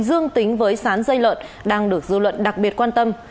dương tính với sán dây lợn đang được dư luận đặc biệt quan tâm